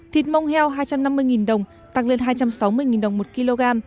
thịt mông heo hai trăm năm mươi đồng tăng lên hai trăm sáu mươi đồng một kg